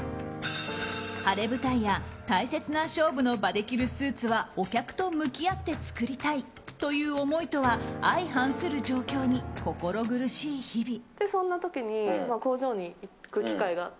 晴れ舞台や大切な勝負の場で着るスーツはお客と向き合って作りたいという思いとは相反する状況に、心苦しい日々。